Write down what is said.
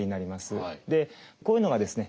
こういうのがですね